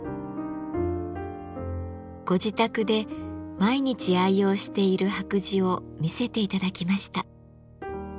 ご自宅で毎日愛用している白磁を見せて頂きました。